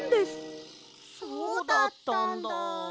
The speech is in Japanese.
そうだったんだ。